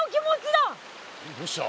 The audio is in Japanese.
どうした？